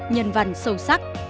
nhân văn sâu sắc